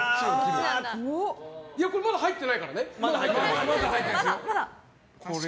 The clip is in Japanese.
まだ入ってないからね。